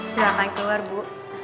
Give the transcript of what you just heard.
silahkan keluar bu